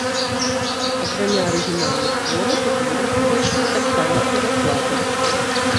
Акрамя арыгінальных твораў у зборнік увайшлі таксама пераклады.